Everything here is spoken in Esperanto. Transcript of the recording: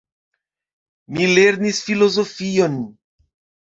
Mi lernis filozofion.